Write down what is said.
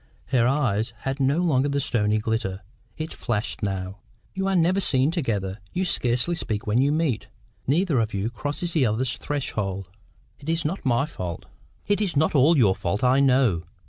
Her eye had no longer the stony glitter. It flashed now. "You are never seen together. You scarcely speak when you meet. Neither of you crosses the other's threshold." "It is not my fault." "It is not ALL your fault, I know.